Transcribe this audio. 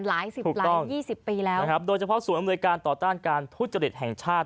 สิบหลายยี่สิบปีแล้วนะครับโดยเฉพาะศูนย์อำนวยการต่อต้านการทุจริตแห่งชาติ